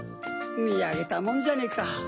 みあげたもんじゃねえか。